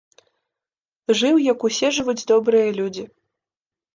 Жыў, як усе жывуць добрыя людзі.